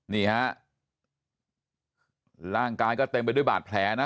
นี่ฮะร่างกายก็เต็มไปด้วยบาดแผลนะ